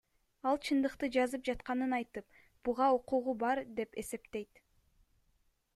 Ал чындыкты жазып жатканын айтып, буга укугу бар деп эсептейт.